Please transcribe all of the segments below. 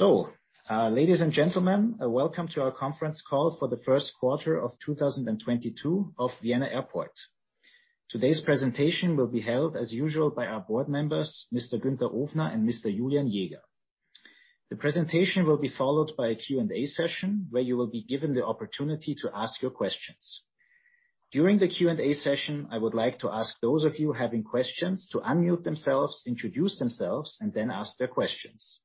Ladies and gentlemen, welcome to our conference call for the first quarter of 2022 of Vienna Airport. Today's presentation will be held as usual by our board members, Mr. Günther Ofner and Mr. Julian Jäger. The presentation will be followed by a Q&A session, where you will be given the opportunity to ask your questions. During the Q&A session, I would like to ask those of you having questions to unmute themselves, introduce themselves, and then ask their questions.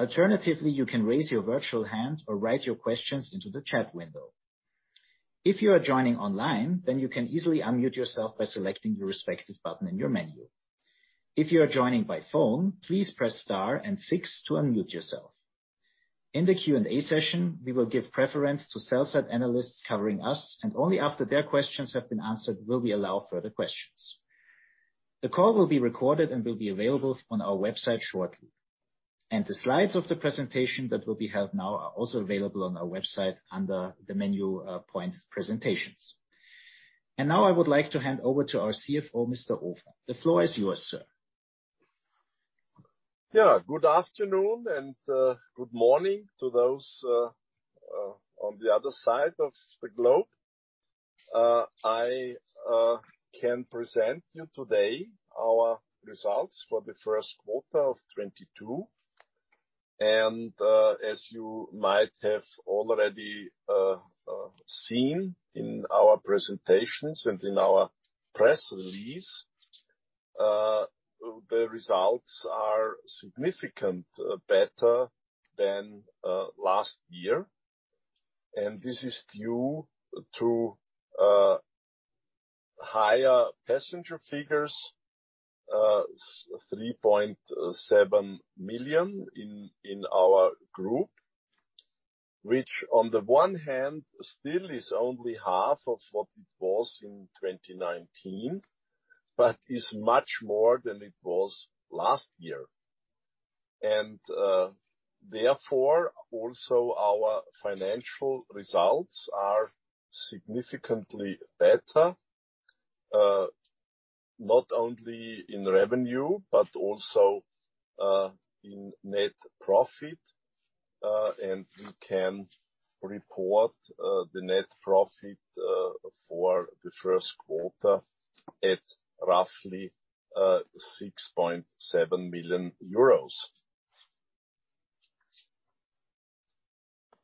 Alternatively, you can raise your virtual hand or write your questions into the chat window. If you are joining online, then you can easily unmute yourself by selecting your respective button in your menu. If you are joining by phone, please press star and six to unmute yourself. In the Q&A session, we will give preference to sell-side analysts covering us, and only after their questions have been answered will we allow further questions. The call will be recorded and will be available on our website shortly. The slides of the presentation that will be held now are also available on our website under the menu point Presentations. Now I would like to hand over to our CFO, Mr. Ofner. The floor is yours, sir. Yeah. Good afternoon and good morning to those on the other side of the globe. I can present you today our results for the first quarter of 2022. As you might have already seen in our presentations and in our press release, the results are significantly better than last year. This is due to higher passenger figures, 3.7 million in our group, which on the one hand still is only half of what it was in 2019, but is much more than it was last year. Therefore, also our financial results are significantly better, not only in revenue, but also in net profit. We can report the net profit for the first quarter at roughly 6.7 million euros.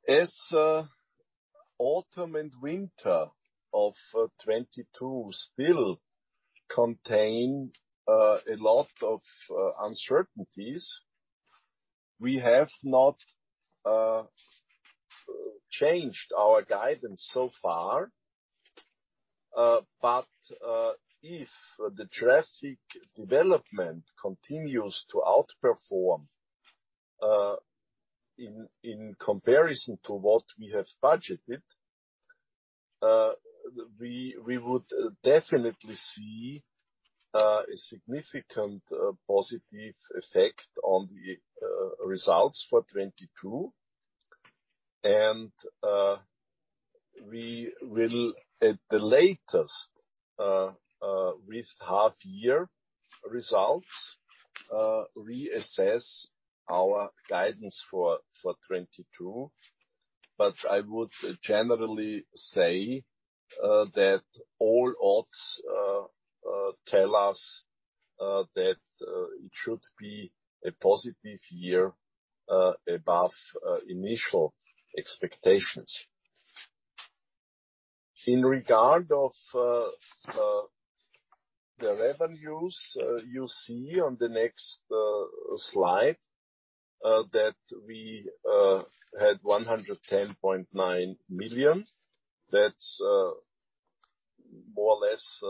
As autumn and winter of 2022 still contain a lot of uncertainties, we have not changed our guidance so far. If the traffic development continues to outperform in comparison to what we have budgeted, we would definitely see a significant positive effect on the results for 2022. We will, at the latest, with half year results, reassess our guidance for 2022. I would generally say that all odds tell us that it should be a positive year above initial expectations. In regard to the revenues, you see on the next slide that we had 110.9 million. That's more or less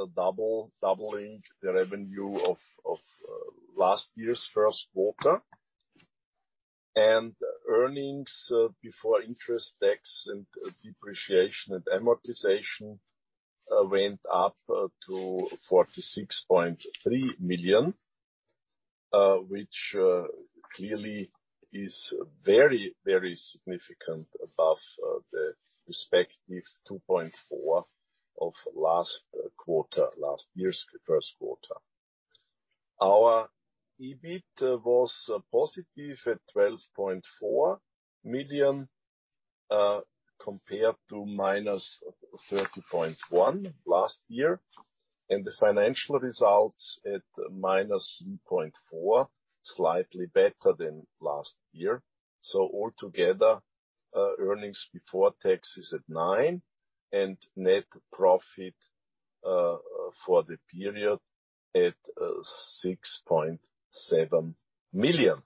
doubling the revenue of last year's first quarter. Earnings before interest, tax, and depreciation and amortization went up to 46.3 million, which clearly is very, very significant above the respective 2.4 of last year's first quarter. Our EBIT was positive at 12.4 million compared to -30.1 last year, and the financial results at -0.4, slightly better than last year. Altogether, earnings before tax is at 9 million, and net profit for the period at 6.7 million.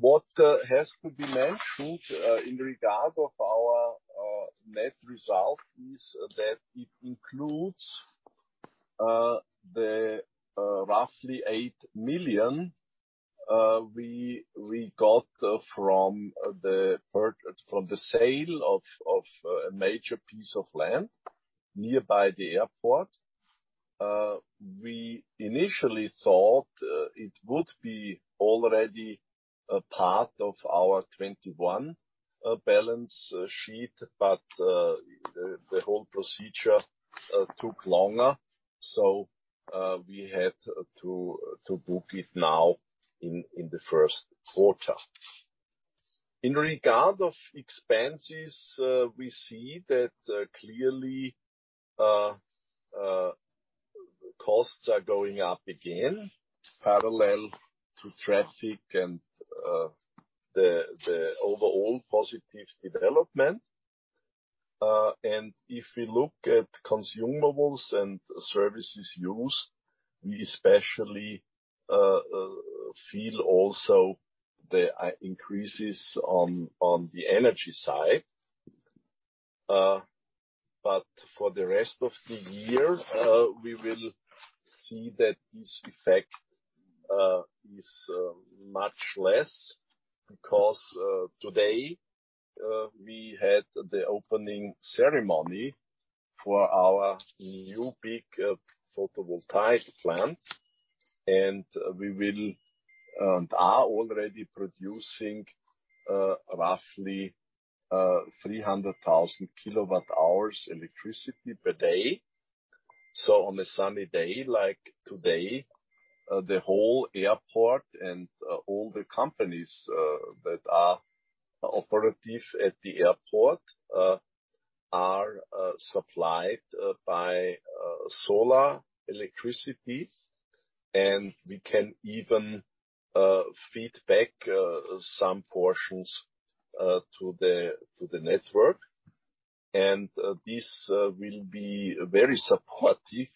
What has to be mentioned in regard of our net result is that it includes the roughly 8 million we got from the sale of a major piece of land nearby the airport. We initially thought it would be already a part of our 2021 balance sheet, but the whole procedure took longer. We had to book it now in the first quarter. In regard of expenses, we see that clearly costs are going up again parallel to traffic and the overall positive development. If we look at consumables and services used, we especially feel also the increases on the energy side. For the rest of the year, we will see that this effect is much less because today we had the opening ceremony for our new big photovoltaic plant, and we are already producing roughly 300,000 kWh electricity per day. On a sunny day like today, the whole airport and all the companies that are operating at the airport are supplied by solar electricity, and we can even feed back some portions to the network. This will be very supportive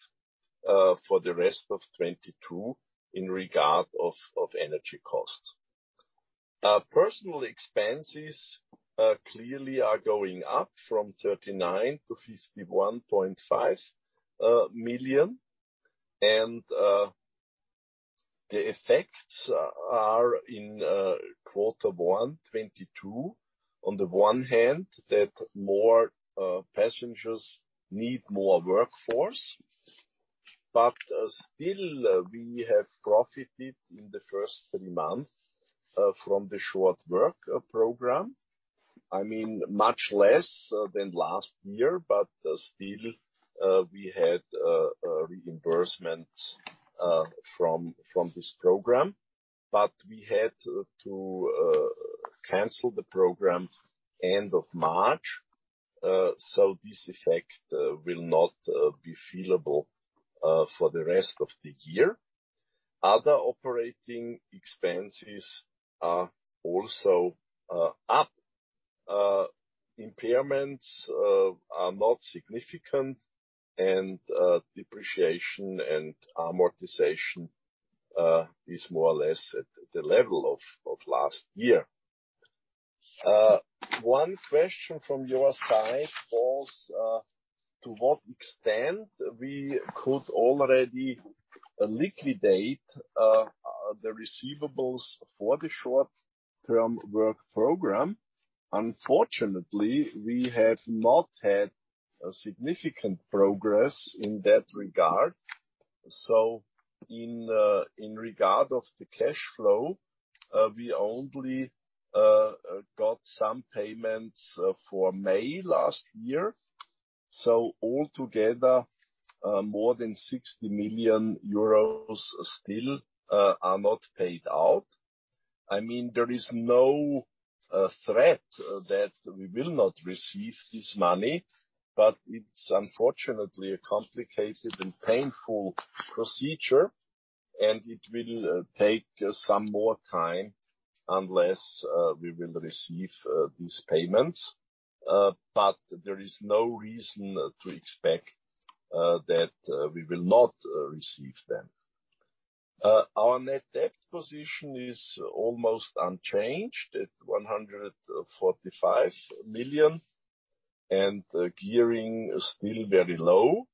for the rest of 2022 in regard of energy costs. Our personnel expenses clearly are going up from 39 million to 51.5 million. The effects are in Q1 2022, on the one hand that more passengers need more workforce, but still, we have profited in the first three months from the short work program. I mean, much less than last year, but still, we had a reimbursement from this program. We had to cancel the program end of March, so this effect will not be felt for the rest of the year. Other operating expenses are also up. Impairments are not significant, and depreciation and amortization is more or less at the level of last year. One question from your side was to what extent we could already liquidate the receivables for the short-term work program. Unfortunately, we have not had significant progress in that regard. In regard to the cash flow, we only got some payments for May last year. Altogether, more than 60 million euros still are not paid out. I mean, there is no threat that we will not receive this money, but it's unfortunately a complicated and painful procedure, and it will take some more time until we will receive these payments. But there is no reason to expect that we will not receive them. Our net debt position is almost unchanged at 145 million, and gearing is still very low.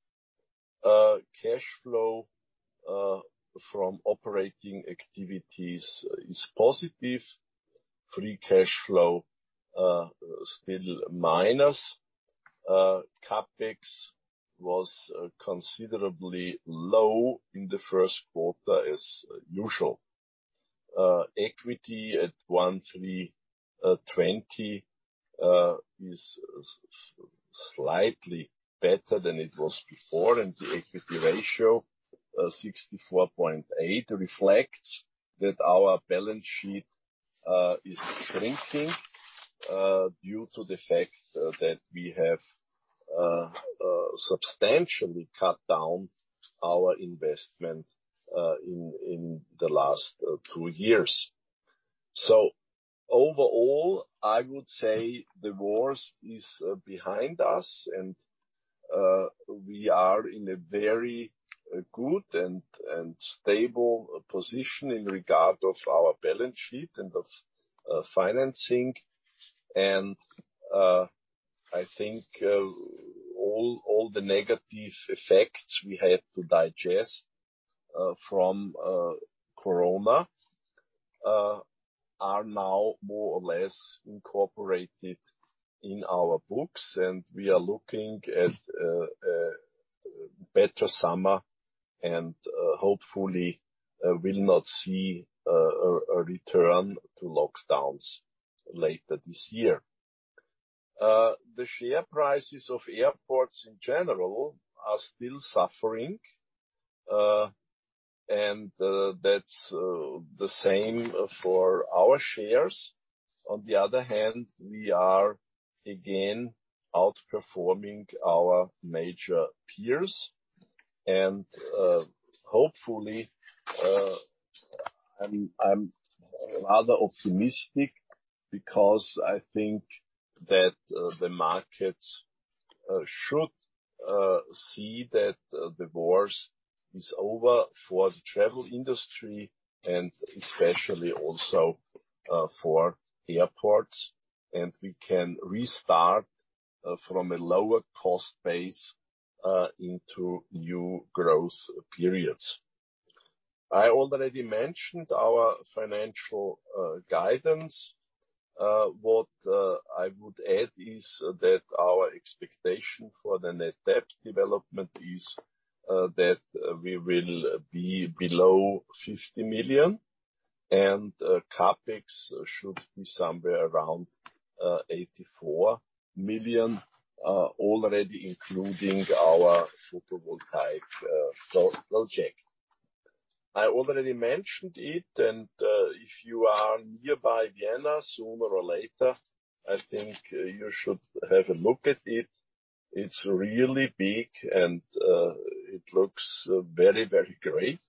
Cash flow from operating activities is positive. Free cash flow still minus. CapEx was considerably low in the first quarter as usual. Equity at 1,320 is slightly better than it was before. The equity ratio, 64.8%, reflects that our balance sheet is shrinking due to the fact that we have substantially cut down our investment in the last two years. Overall, I would say the worst is behind us and we are in a very good and stable position in regard of our balance sheet and of financing. I think all the negative effects we had to digest from Corona are now more or less incorporated in our books, and we are looking at a better summer and hopefully will not see a return to lockdowns later this year. The share prices of airports in general are still suffering, and that's the same for our shares. On the other hand, we are again outperforming our major peers and hopefully and I'm rather optimistic because I think that the markets should see that the worst is over for the travel industry and especially also for airports, and we can restart from a lower cost base into new growth periods. I already mentioned our financial guidance. What I would add is that our expectation for the net debt development is that we will be below 50 million, and CapEx should be somewhere around 84 million already including our photovoltaic solar project. I already mentioned it, and if you are nearby Vienna, sooner or later, I think you should have a look at it. It's really big, and it looks very, very great,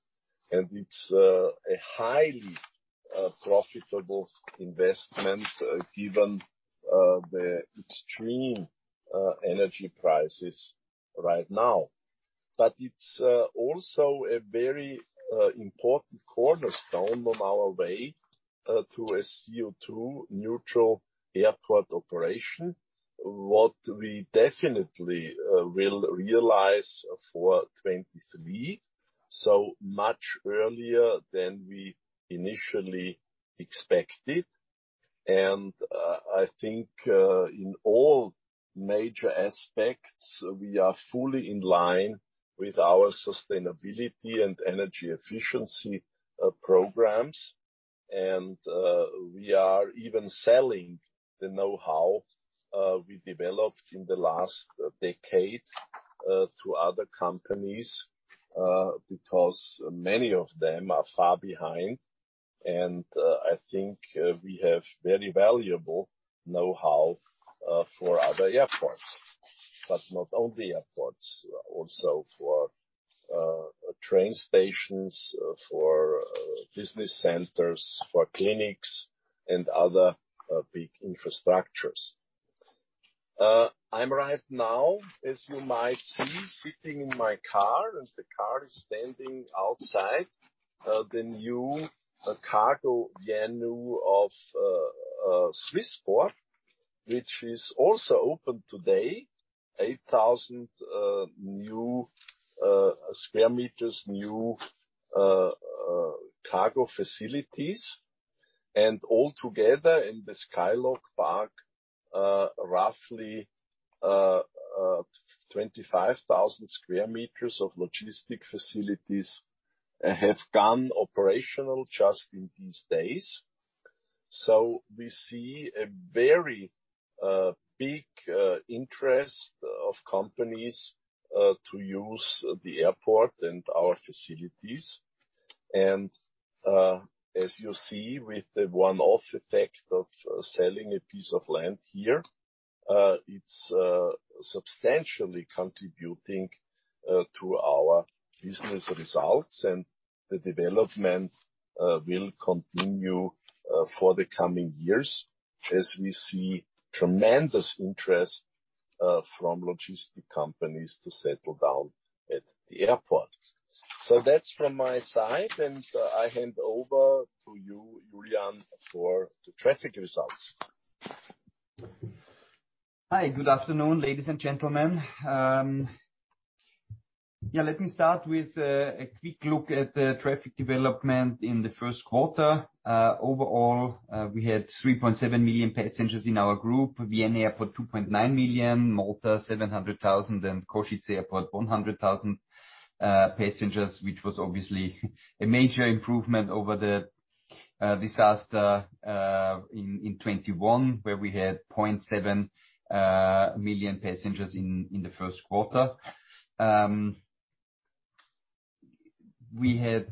and it's a highly profitable investment given the extreme energy prices right now. But it's also a very important cornerstone on our way to a CO2 neutral airport operation, what we definitely will realize for 2023, so much earlier than we initially expected. I think in all major aspects, we are fully in line with our sustainability and energy efficiency programs. We are even selling the know-how we developed in the last decade to other companies because many of them are far behind and I think we have very valuable know-how for other airports but not only airports also for train stations for business centers for clinics and other big infrastructures. I'm right now as you might see sitting in my car and the car is standing outside the new cargo venue of Swissport which is also open today 8,000 new square meters new cargo facilities. All together in the SkyLog Park Vienna roughly 25,000 sq m of logistics facilities have gone operational just in these days. We see a very big interest of companies to use the airport and our facilities. As you see with the one-off effect of selling a piece of land here, it's substantially contributing to our business results and the development will continue for the coming years as we see tremendous interest from logistics companies to settle down at the airport. That's from my side, and I hand over to you, Julian, for the traffic results. Hi. Good afternoon, ladies and gentlemen. Yeah, let me start with a quick look at the traffic development in the first quarter. Overall, we had 3.7 million passengers in our group, Vienna Airport, 2.9 million, Malta, 700,000, and Kosice Airport, 100,000 passengers, which was obviously a major improvement over the disaster in 2021, where we had 0.7 million passengers in the first quarter. We had,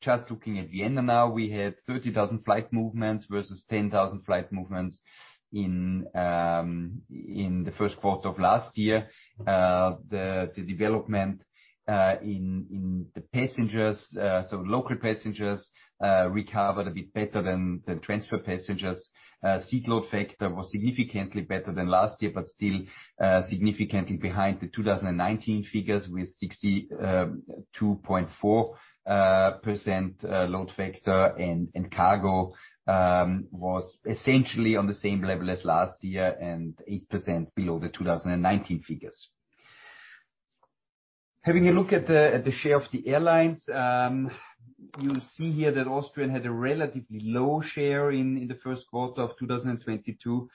just looking at Vienna now, we had 30,000 flight movements versus 10,000 flight movements in the first quarter of last year. The development in the passengers, so local passengers, recovered a bit better than transfer passengers. Seat load factor was significantly better than last year, but still significantly behind the 2019 figures with 62.4% load factor and cargo was essentially on the same level as last year and 8% below the 2019 figures. Having a look at the share of the airlines, you see here that Austrian had a relatively low share in the first quarter of 2022.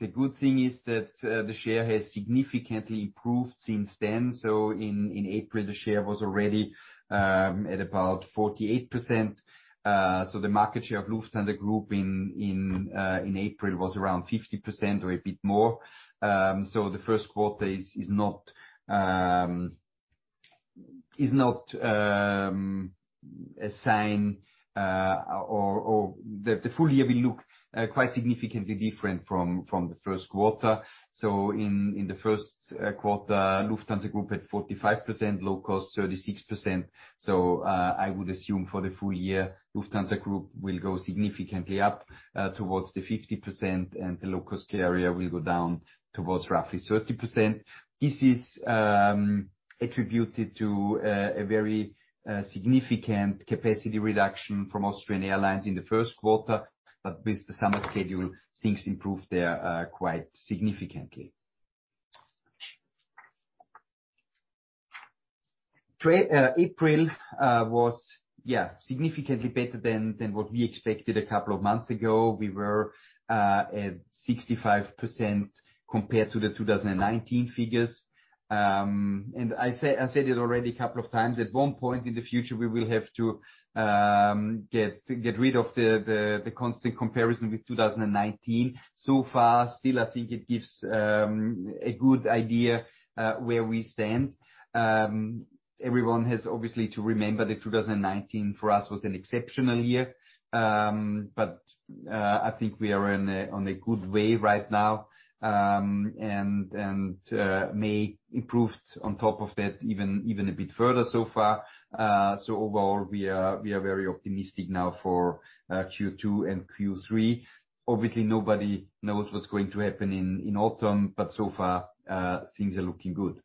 The good thing is that the share has significantly improved since then. In April, the share was already at about 48%. The market share of Lufthansa Group in April was around 50% or a bit more. The first quarter is not a sign that the full year will look quite significantly different from the first quarter. In the first quarter, Lufthansa Group had 45%, low-cost 36%. I would assume for the full year, Lufthansa Group will go significantly up towards 50%, and the low-cost carrier will go down towards roughly 30%. This is attributed to a very significant capacity reduction from Austrian Airlines in the first quarter. With the summer schedule, things improved there quite significantly. April was, yeah, significantly better than what we expected a couple of months ago. We were at 65% compared to the 2019 figures. I said it already a couple of times, at one point in the future, we will have to get rid of the constant comparison with 2019. So far, still, I think it gives a good idea where we stand. Everyone has obviously to remember that 2019 for us was an exceptional year. I think we are on a good way right now. May improved on top of that even a bit further so far. Overall we are very optimistic now for Q2 and Q3. Obviously, nobody knows what's going to happen in autumn, but so far, things are looking good.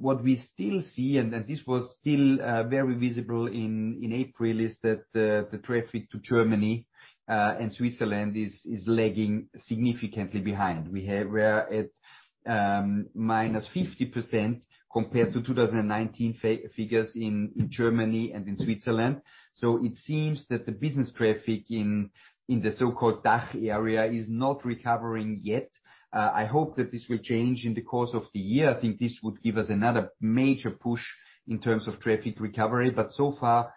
What we still see, and this was still very visible in April, is that the traffic to Germany and Switzerland is lagging significantly behind. We are at -50% compared to 2019 figures in Germany and in Switzerland. It seems that the business traffic in the so-called DACH area is not recovering yet. I hope that this will change in the course of the year. I think this would give us another major push in terms of traffic recovery. So far,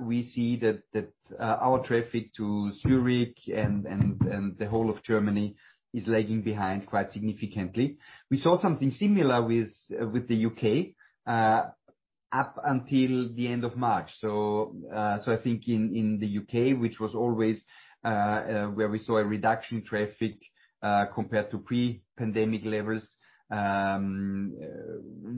we see that our traffic to Zürich and the whole of Germany is lagging behind quite significantly. We saw something similar with the U.K. up until the end of March. I think in the U.K., which was always where we saw a reduction in traffic compared to pre-pandemic levels,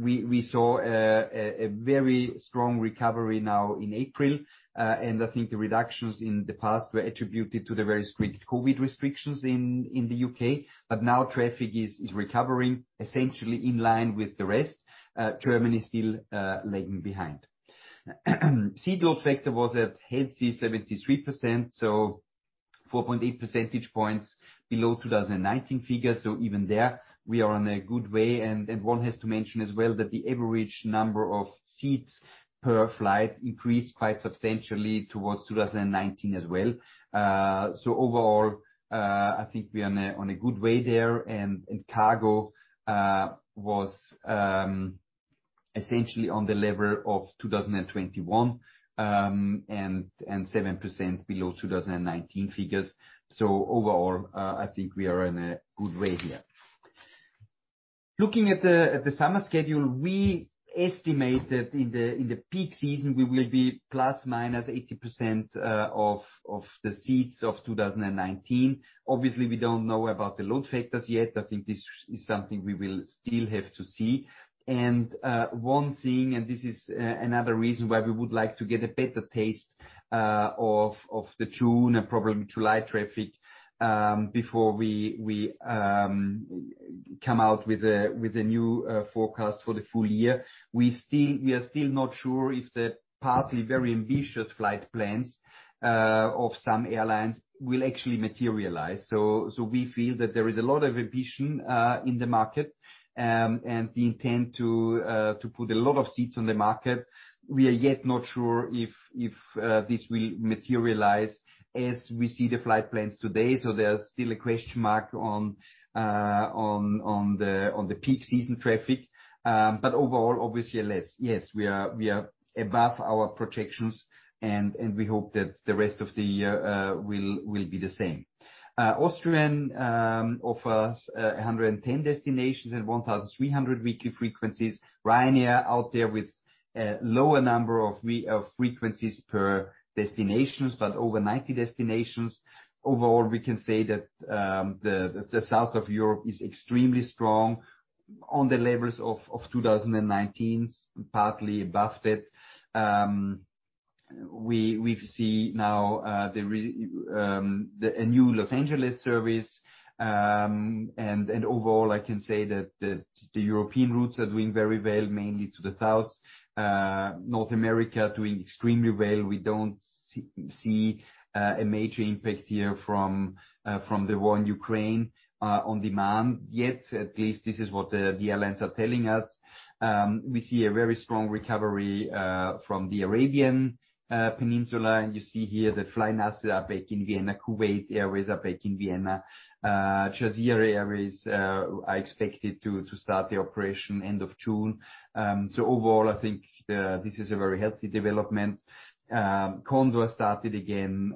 we saw a very strong recovery now in April. I think the reductions in the past were attributed to the very strict COVID restrictions in the U.K. Now traffic is recovering essentially in line with the rest. Germany still lagging behind. Seat load factor was at healthy 73%, so 4.8 percentage points below 2019 figures. Even there we are in a good way. One has to mention as well that the average number of seats per flight increased quite substantially towards 2019 as well. Overall, I think we are on a good way there. Cargo was essentially on the level of 2021 and 7% below 2019 figures. Overall, I think we are in a good way here. Looking at the summer schedule, we estimate that in the peak season we will be ±80% of the seats of 2019. Obviously, we don't know about the load factors yet. I think this is something we will still have to see. One thing, and this is another reason why we would like to get a better taste of the June and probably July traffic before we come out with a new forecast for the full year. We are still not sure if the partly very ambitious flight plans of some airlines will actually materialize. We feel that there is a lot of ambition in the market and the intent to put a lot of seats on the market. We are yet not sure if this will materialize as we see the flight plans today. There's still a question mark on the peak season traffic. Overall, obviously less. Yes, we are above our projections, and we hope that the rest of the year will be the same. Austrian offers 110 destinations and 1,300 weekly frequencies. Ryanair out there with a lower number of frequencies per destinations, but over 90 destinations. Overall, we can say that the South of Europe is extremely strong on the levels of 2019, partly above that. We see now a new Los Angeles service. Overall, I can say that the European routes are doing very well, mainly to the South. North America doing extremely well. We don't see a major impact here from the war in Ukraine on demand yet, at least this is what the airlines are telling us. We see a very strong recovery from the Arabian Peninsula, and you see here that Flynas are back in Vienna, Kuwait Airways are back in Vienna. Jazeera Airways are expected to start the operation end of June. Overall, I think this is a very healthy development. Condor started again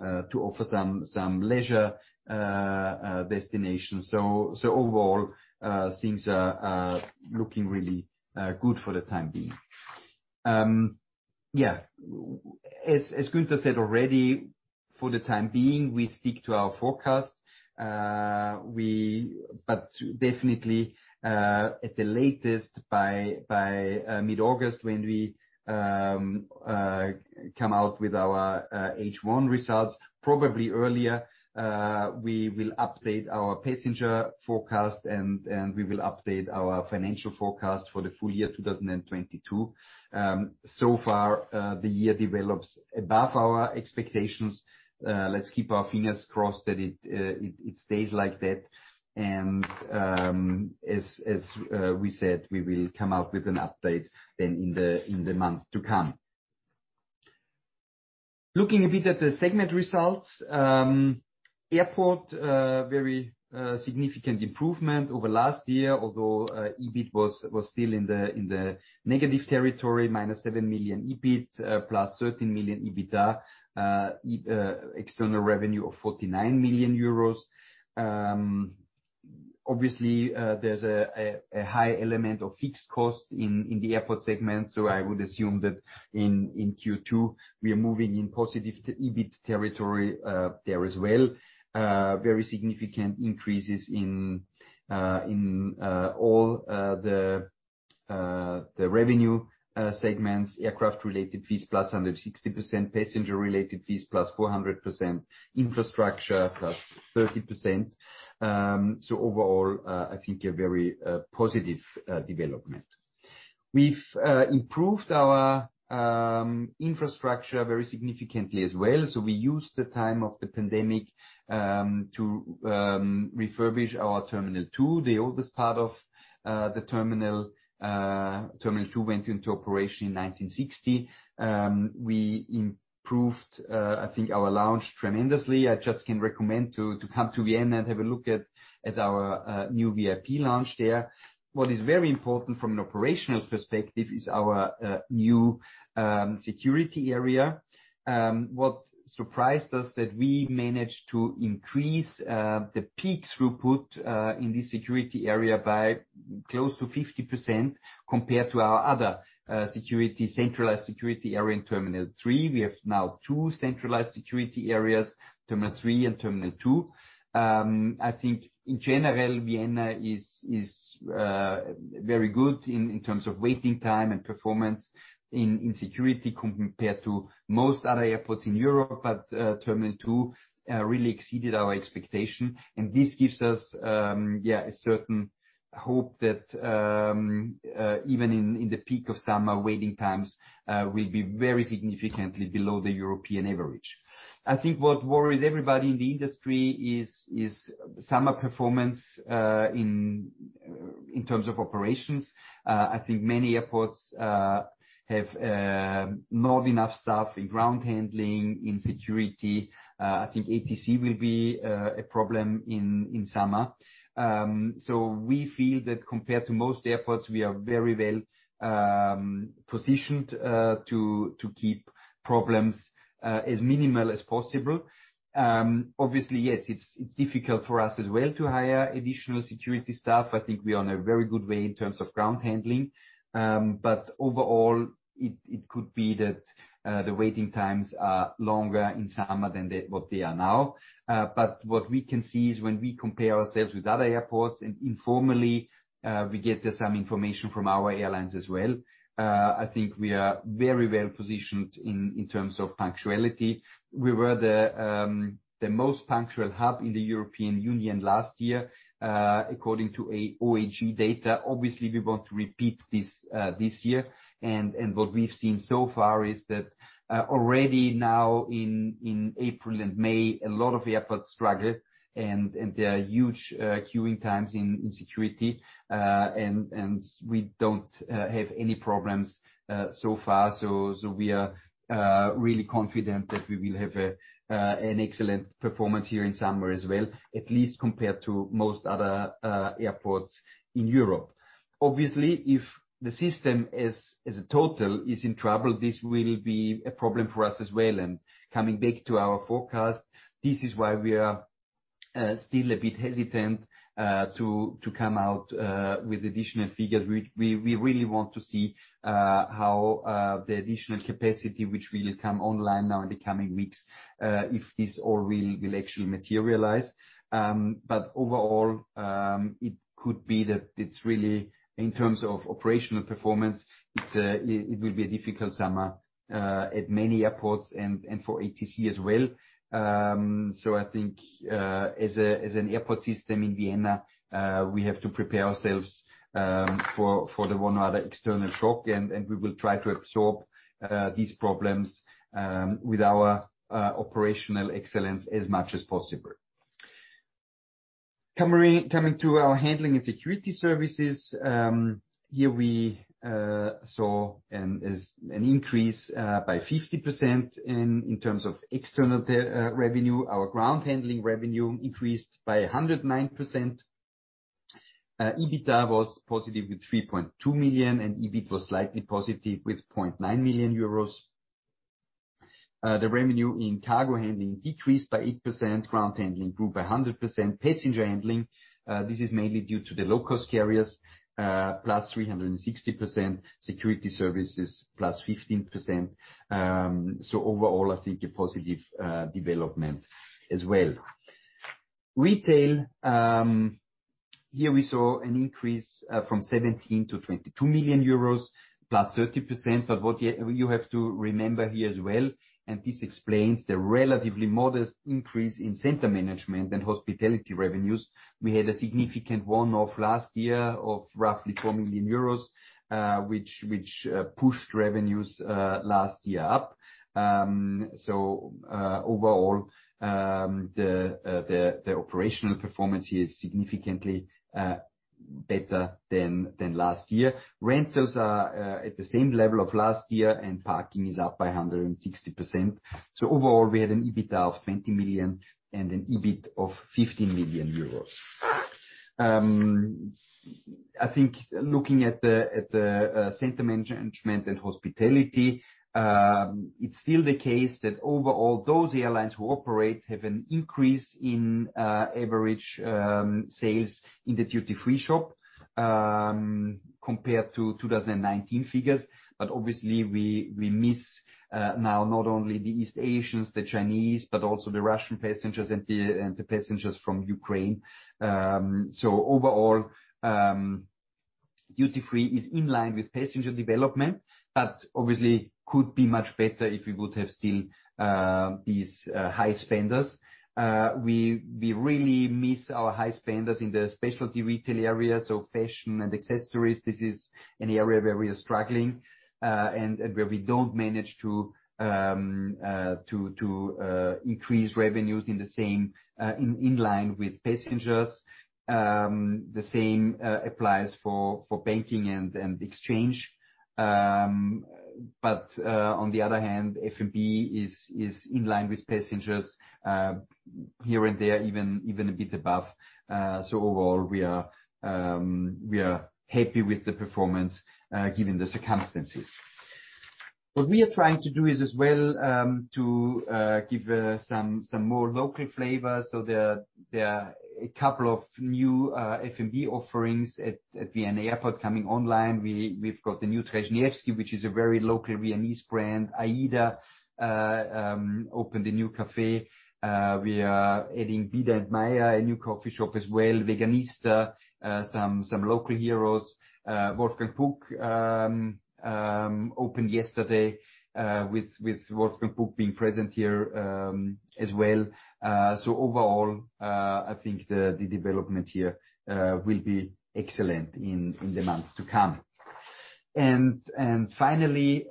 to offer some leisure destination. Overall, things are looking really good for the time being. Yeah. As Günther said already, for the time being, we stick to our forecast. But definitely, at the latest by mid-August, when we come out with our H1 results, probably earlier, we will update our passenger forecast and we will update our financial forecast for the full year 2022. So far, the year develops above our expectations. Let's keep our fingers crossed that it stays like that. As we said, we will come out with an update then in the month to come. Looking a bit at the segment results. Airport, very significant improvement over last year, although EBIT was still in the negative territory, -7 million EBIT, +13 million EBITA, external revenue of 49 million euros. Obviously, there's a high element of fixed cost in the airport segment, so I would assume that in Q2, we are moving in positive to EBIT territory there as well. Very significant increases in all the revenue segments, aircraft related fees +160%, passenger-related fees +400%, infrastructure +30%. Overall, I think a very positive development. We've improved our infrastructure very significantly as well. We used the time of the pandemic to refurbish our Terminal 2, the oldest part of the terminal. Terminal 2 went into operation in 1960. We improved, I think our lounge tremendously. I just can recommend to come to Vienna and have a look at our new VIP lounge there. What is very important from an operational perspective is our new security area. What surprised us that we managed to increase the peak throughput in this security area by close to 50% compared to our other centralized security area in Terminal 3. We have now two centralized security areas, Terminal 3 and Terminal 2. I think in general, Vienna is very good in terms of waiting time and performance in security compared to most other airports in Europe. Terminal 2 really exceeded our expectation. This gives us a certain hope that even in the peak of summer, waiting times will be very significantly below the European average. I think what worries everybody in the industry is summer performance in terms of operations. I think many airports have not enough staff in ground handling, in security. I think ATC will be a problem in summer. We feel that compared to most airports, we are very well positioned to keep problems as minimal as possible. Obviously, yes, it's difficult for us as well to hire additional security staff. I think we are on a very good way in terms of ground handling. Overall, it could be that the waiting times are longer in summer than what they are now. What we can see is when we compare ourselves with other airports, and informally, we get some information from our airlines as well, I think we are very well positioned in terms of punctuality. We were the most punctual hub in the European Union last year, according to OAG data. Obviously, we want to repeat this year. What we've seen so far is that already now in April and May, a lot of airports struggled, and there are huge queuing times in security. We don't have any problems so far. We are really confident that we will have an excellent performance here in summer as well, at least compared to most other airports in Europe. Obviously, if the system as a total is in trouble, this will be a problem for us as well. Coming back to our forecast, this is why we are still a bit hesitant to come out with additional figures. We really want to see how the additional capacity which will come online now in the coming weeks if this all will actually materialize. Overall, it could be that it's really in terms of operational performance it will be a difficult summer at many airports and for ATC as well. I think as an airport system in Vienna we have to prepare ourselves for another external shock and we will try to absorb these problems with our operational excellence as much as possible. Coming to our handling and security services, here we saw an increase by 50% in terms of external third-party revenue. Our ground handling revenue increased by 109%. EBITDA was positive with 3.2 million, and EBIT was slightly positive with 0.9 million euros. The revenue in cargo handling decreased by 8%, ground handling improved by 100%. Passenger handling, this is mainly due to the low-cost carriers, +360%, security services +15%. Overall, I think a positive development as well. Retail, here we saw an increase from 17 million to 22 million euros, +30%, but what you have to remember here as well, and this explains the relatively modest increase in concession management and hospitality revenues. We had a significant one-off last year of roughly 4 million euros, which pushed revenues last year up. Overall, the operational performance here is significantly better than last year. Rentals are at the same level of last year, and parking is up by 160%. Overall, we had an EBITDA of 20 million and an EBIT of 15 million euros. I think looking at the center management and hospitality, it's still the case that overall, those airlines who operate have an increase in average sales in the duty-free shop, compared to 2019 figures. Obviously we miss now not only the East Asians, the Chinese, but also the Russian passengers and the passengers from Ukraine. Overall, duty-free is in line with passenger development, but obviously could be much better if we would have still these high spenders. We really miss our high spenders in the specialty retail area, so fashion and accessories. This is an area where we are struggling, and where we don't manage to increase revenues in the same line with passengers. The same applies for banking and exchange. On the other hand, F&B is in line with passengers here and there, even a bit above. Overall, we are happy with the performance given the circumstances. What we are trying to do is as well to give some more local flavor. There are a couple of new F&B offerings at Vienna Airport coming online. We've got the new Trzesniewski, which is a very local Viennese brand. Aida opened a new café. We are adding Bieder & Maier, a new coffee shop as well. Veganista, some local heroes. Wolfgang Puck opened yesterday, with Wolfgang Puck being present here, as well. Overall, I think the development here will be excellent in the months to come. Finally,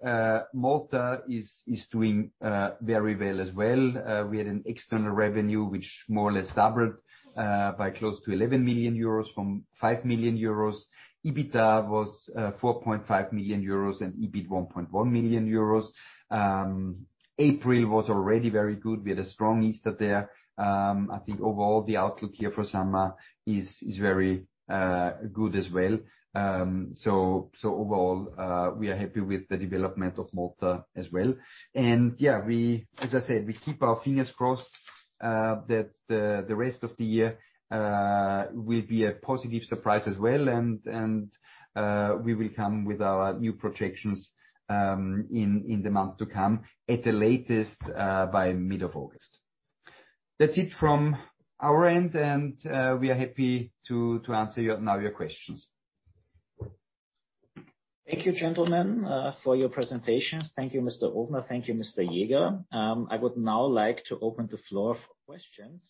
Malta is doing very well as well. We had an external revenue which more or less doubled, by close to 11 million euros from 5 million euros. EBITDA was 4.5 million euros and EBIT 1.1 million euros. April was already very good. We had a strong Easter there. I think overall the outlook here for summer is very good as well. Overall, we are happy with the development of Malta as well. Yeah, as I said, we keep our fingers crossed that the rest of the year will be a positive surprise as well and we will come with our new projections in the months to come, at the latest, by mid of August. That's it from our end, and we are happy to answer your questions now. Thank you, gentlemen, for your presentations. Thank you, Mr. Ofner. Thank you, Mr. Jäger. I would now like to open the floor for questions.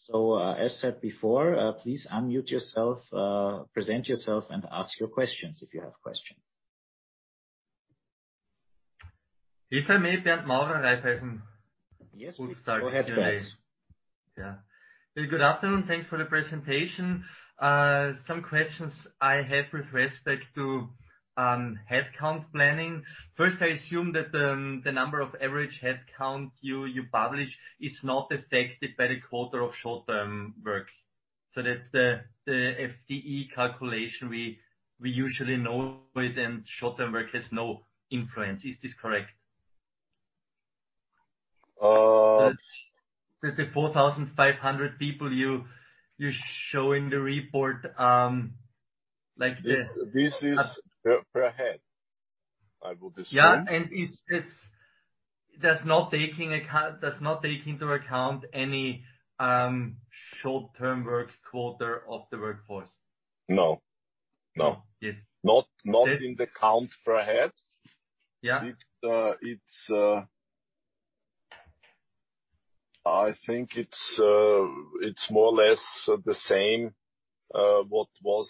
As said before, please unmute yourself, present yourself and ask your questions if you have questions. If I may, Bernd Maurer, Raiffeisen. Yes. Go ahead, please. Yeah. Good afternoon. Thanks for the presentation. Some questions I have with respect to headcount planning. First, I assume that the number of average headcount you publish is not affected by the quarter of short-term work. That's the FTE calculation we usually know within short-term work has no influence. Is this correct? Uh- That the 4,500 people you show in the report, like this. This is per head. I would assume. That's not taking into account any short-time work quota of the workforce. No. No. Yes. Not in the count per head. Yeah. I think it's more or less the same what was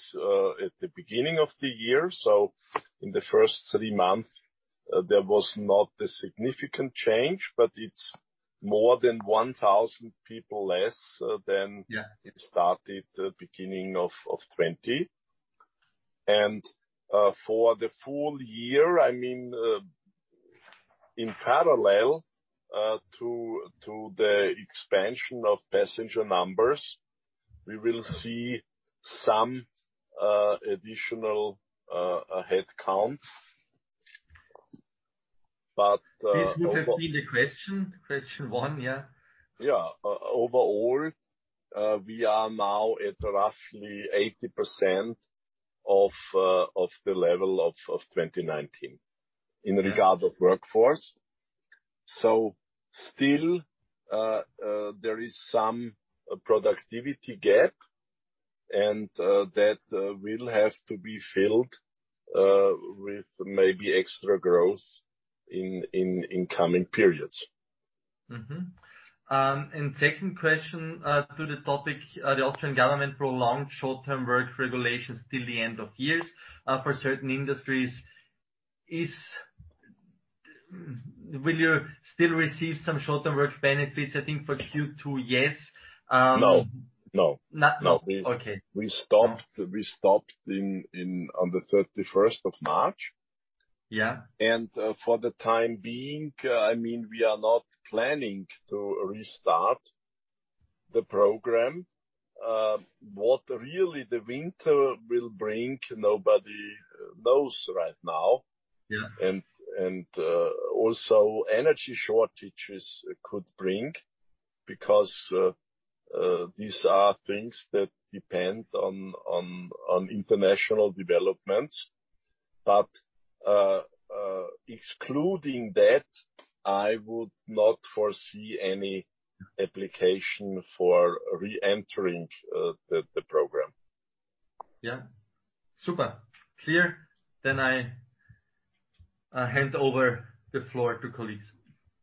at the beginning of the year. In the first three months there was not a significant change, but it's more than 1,000 people less than. Yeah. It started the beginning of 2020. For the full year, I mean, In parallel to the expansion of passenger numbers, we will see some additional headcounts. This would have been the question one, yeah. Overall, we are now at roughly 80% of the level of 2019. In regard of workforce. Still, there is some productivity gap, and that will have to be filled with maybe extra growth in coming periods. Second question to the topic, the Austrian government prolonged short-term work regulations till the end of the year for certain industries. Will you still receive some short-term work benefits? I think for Q2, yes. No. No. Not, no. No. Okay. We stopped on the 31st of March. Yeah. For the time being, I mean, we are not planning to restart the program. What really the winter will bring, nobody knows right now. Yeah. Also energy shortages could bring because these are things that depend on international developments. Excluding that, I would not foresee any application for reentering the program. Yeah, super clear. I hand over the floor to colleagues.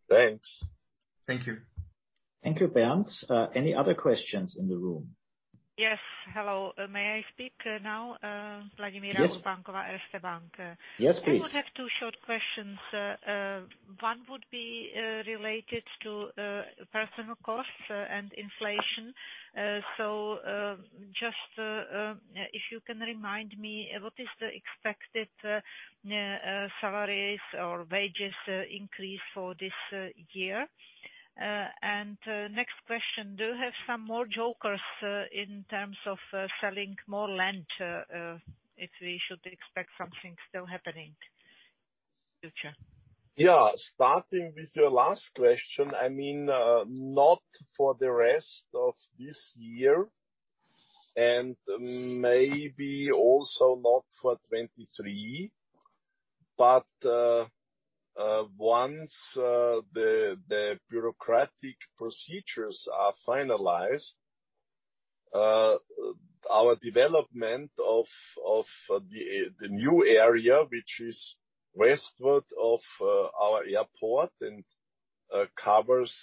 Thanks. Thank you. Thank you, Bernd. Any other questions in the room? Yes. Hello. May I speak now? Yes. Vladimira Urbankova, Erste Bank. Yes, please. I would have two short questions. One would be related to personnel costs and inflation. If you can remind me, what is the expected salaries or wages increase for this year? Next question, do you have some more jokers in terms of selling more land, if we should expect something still happening future? Yeah. Starting with your last question, I mean, not for the rest of this year and maybe also not for 2023, but once the bureaucratic procedures are finalized, our development of the new area, which is westward of our airport and covers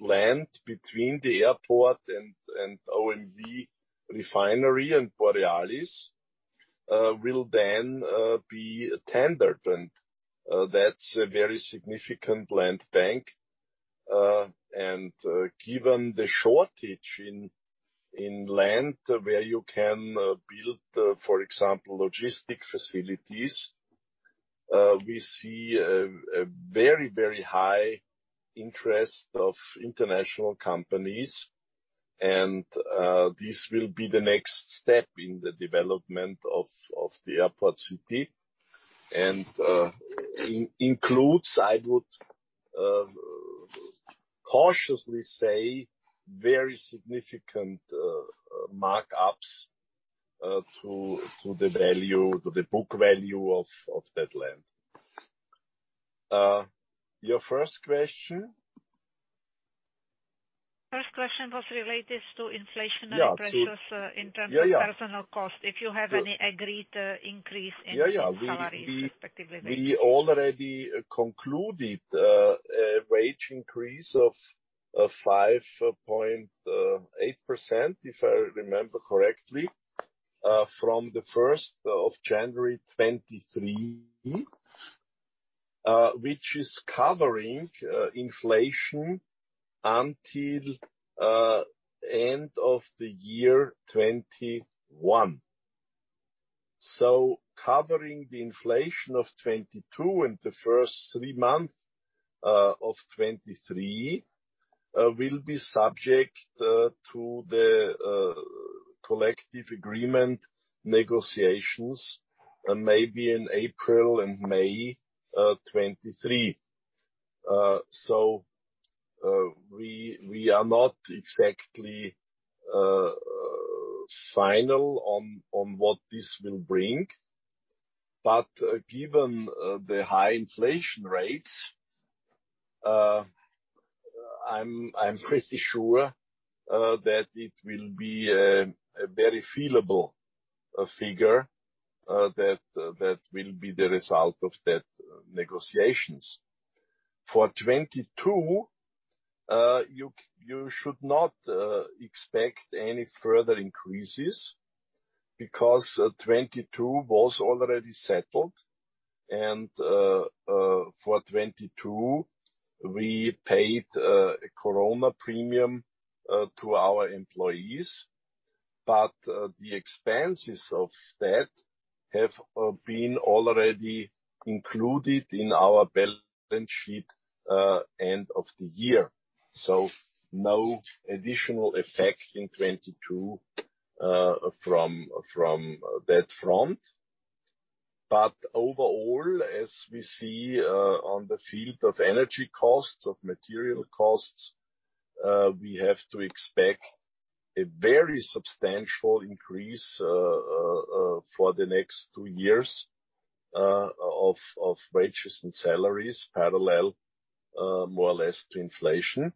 land between the airport and OMV refinery and Borealis, will then be tendered. That's a very significant land bank. Given the shortage in land where you can build, for example, logistics facilities, we see a very, very high interest of international companies, and this will be the next step in the development of the airport city. Includes, I would cautiously say very significant markups to the value, to the book value of that land. Your first question? First question was related to inflationary pressures. Yeah. -in terms of- Yeah, yeah. personnel cost. If you have any agreed increase in- Yeah, yeah. salaries respectively. We already concluded a wage increase of 5.8%, if I remember correctly, from the 1st of January 2023, which is covering inflation until end of the year 2021. Covering the inflation of 2022 and the first three months of 2023 will be subject to the collective agreement negotiations, maybe in April and May of 2023. We are not exactly final on what this will bring. Given the high inflation rates, I'm pretty sure that it will be a very feelable figure that will be the result of that negotiations. For 2022, you should not expect any further increases because 2022 was already settled and for 2022 we paid a corona premium to our employees. The expenses of that have been already included in our balance sheet end of the year. No additional effect in 2022 from that front. Overall, as we see on the field of energy costs, of material costs, we have to expect a very substantial increase for the next two years of wages and salaries parallel more or less to inflation.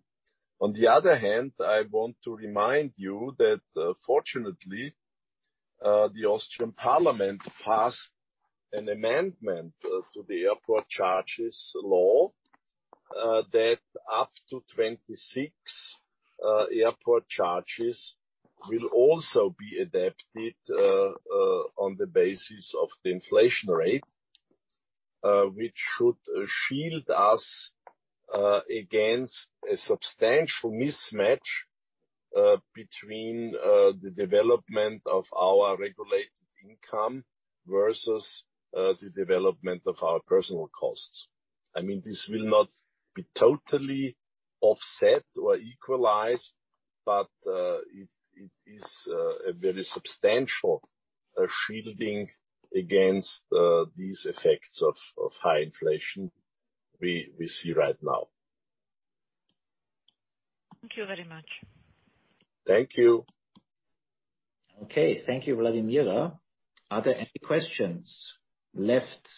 On the other hand, I want to remind you that, fortunately, the Austrian parliament passed an amendment to the Airport Charges Act that up to 26 airport charges will also be adapted on the basis of the inflation rate. Which should shield us against a substantial mismatch between the development of our regulated income versus the development of our personnel costs. I mean, this will not be totally offset or equalized, but it is a very substantial shielding against these effects of high inflation we see right now. Thank you very much. Thank you. Okay. Thank you, Vladimira. Are there any questions left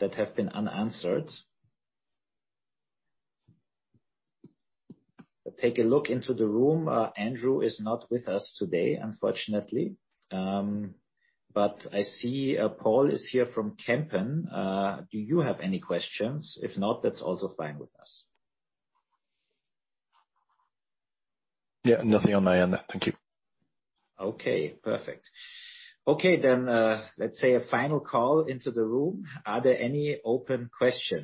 that have been unanswered? I take a look into the room. Andrew is not with us today, unfortunately. But I see Paul is here from Kempen. Do you have any questions? If not, that's also fine with us. Yeah. Nothing on my end. Thank you. Okay, perfect. Okay, let's say a final call into the room. Are there any open questions?